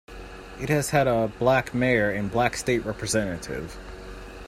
It has had a black mayor and black state representative.